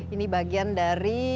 ini bagian dari